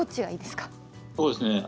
そうですね。